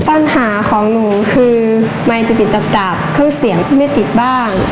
ปัญหาของหนูคือไมค์จะติดดับเครื่องเสียงที่ไม่ติดบ้าง